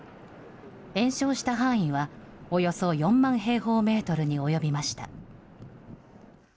延焼した範囲は、およそ４万平方メートルに及びました。